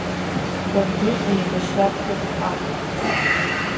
Баргьы еибашьра бцозар акәхап.